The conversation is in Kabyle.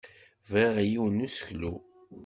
Bbiɣ yiwen n useklu.